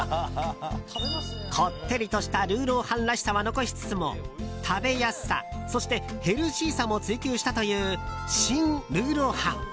こってりとしたルーロー飯らしさは残しつつも食べやすさ、そしてヘルシーさも追求したというシン・ルーロー飯。